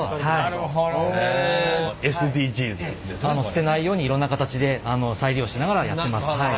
捨てないようにいろんな形で再利用しながらやってます。